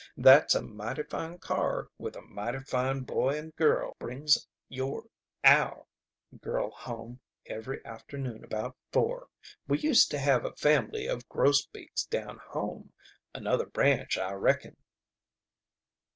That's a mighty fine car with a mighty fine looking boy and a girl brings your our girl home every afternoon about four. We used to have a family of Grosbeaks down home. Another branch, I reckon."